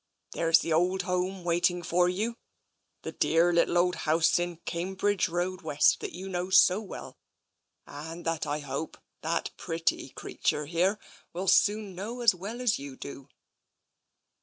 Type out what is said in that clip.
There's the old home w^aiting for you, the dear little old house in Cambridge Road West that you know so well, and that I hope that pretty creature here will soon know as well as you do."